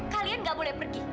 kalian nggak boleh pergi